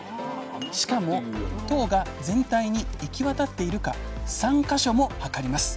しかも糖が全体に行き渡っているか３か所も測ります。